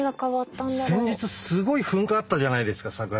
先日すごい噴火あったじゃないですか桜島。